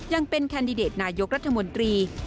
ยังเป็นแคนดิเดตนายกรัฐมนตรี